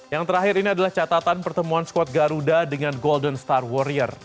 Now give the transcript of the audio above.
yang terakhir ini adalah catatan pertemuan squad garuda dengan golden star warrior